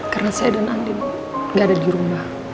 karena saya dan andin gak ada di rumah